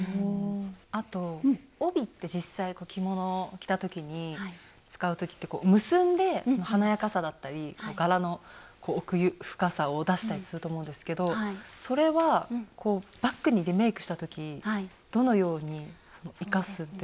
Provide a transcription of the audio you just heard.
あと帯って実際着物を着た時に使う時って結んで華やかさだったり柄の奥深さを出したりすると思うんですけどそれはこうバッグにリメイクした時どのように生かすんですか？